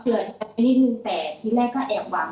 เผื่อจะไปนิดหนึ่งแต่ทีแรกก็แอบหวัง